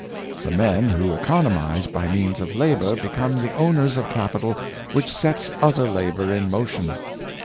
The men who economize by means of labor be come the owners of capital which sets other labor in motion.